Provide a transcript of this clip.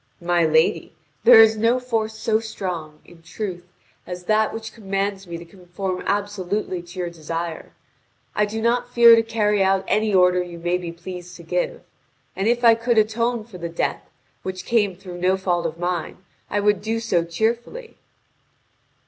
"My lady, there is no force so strong, in truth, as that which commands me to conform absolutely to your desire. I do not fear to carry out any order you may be pleased to give. And if I could atone for the death, which came through no fault of mine, I would do so cheerfully."